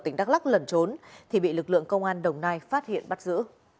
tỉnh đắk lắc lần trốn thì bị lực lượng công an đồng nai phát hiện bắt giữ